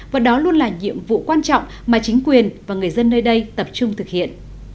và đó luôn là nhiệm vụ quan trọng mà chính quyền và người dân nơi đây tập trung thực hiện